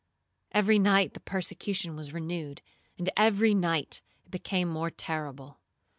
Every night the persecution was renewed, and every night it became more terrible.